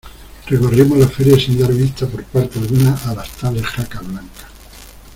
recorrimos la feria sin dar vista por parte alguna a las tales jacas blancas.